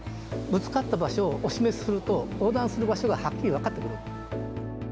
ぶつかった場所をお示しすると、横断する場所がはっきり分かってくる。